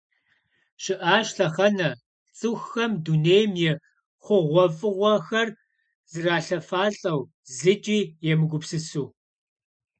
Şı'aş lhexhene ts'ıxuxem dunêym yi xhuğuef'ığuexer zralhefalh'eu, zıç'i yêmıgupsısu.